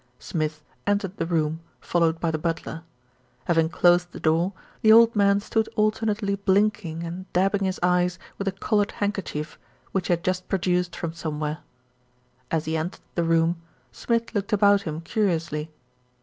Smith entered the room followed by the butler. Having closed the door, the old man stood alternately blinking and dabbing his eyes with a coloured handker chief, which he had just produced from somewhere. As he entered the room, Smith looked about him curiously.